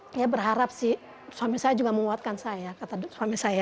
saya berharap sih suami saya juga menguatkan saya kata suami saya